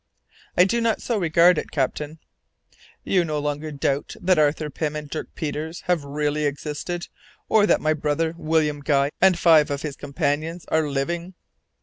"I do not so regard it, captain." "You no longer doubt that Arthur Pym and Dirk Peters have really existed, or that my brother William Guy and five of his companions are living?"